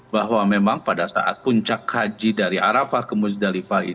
bahwa memang pada saat puncak haji dari arafah ke musdalifah ini